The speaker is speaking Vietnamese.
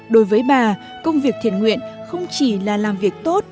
đối với bà công việc thiện nguyện không chỉ là làm việc tốt